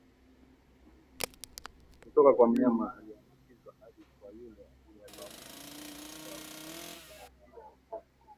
kutoka kwa mnyama aliyeambukizwa hadi kwa yule aliye hatarini kwa kutozingatia usafi